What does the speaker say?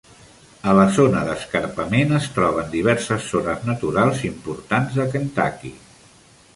A la zona d'escarpament es troben diverses zones naturals importants de Kentucky.